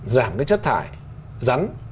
giảm cái chất thải rắn